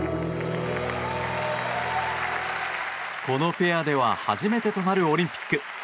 このペアでは初めてとなるオリンピック。